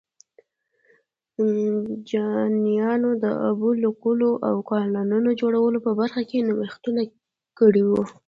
چینایانو د اوبو لګولو او کانالونو جوړولو په برخه کې نوښتونه کړي وو.